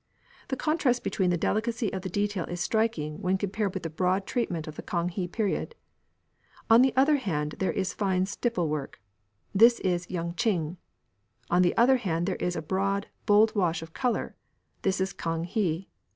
The contrast between the delicacy of the detail is striking when compared with the broad treatment of the Kang he period. On the one hand there is fine stipple work. This is Yung ching. On the other hand there is a broad, bold wash of colour. This is Kang he.